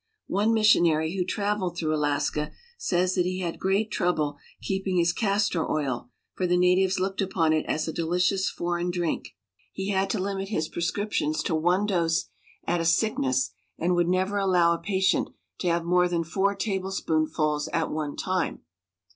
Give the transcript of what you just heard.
One missionary who traveled through Alaska says that he had great trouble keeping his castor oil, for the natives looked upon it as a delicious foreign drink. He had to limit his 302 ALASKA. prescriptions to one dose at a sickness, and would never allow a patient to have more than four tablespoonfuls at one time.